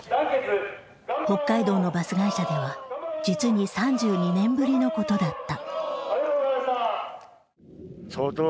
北海道のバス会社では実に３２年ぶりのことだった。